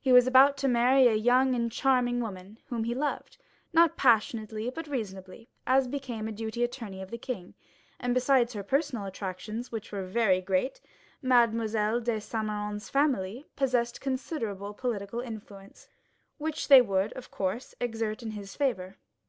He was about to marry a young and charming woman, whom he loved, not passionately, but reasonably, as became a deputy attorney of the king; and besides her personal attractions, which were very great, Mademoiselle de Saint Méran's family possessed considerable political influence, which they would, of course, exert in his favor.